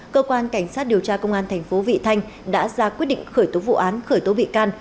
cơ quan cảnh sát điều tra công an thành phố vị thanh đã ra quyết định khởi tố vụ án khởi tố bị can